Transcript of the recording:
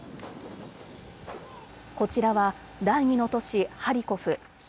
こちらは第２の都市、ハリコフ。